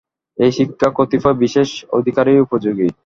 এই শিক্ষা কতিপয় বিশেষ অধিকারীরই উপযোগী।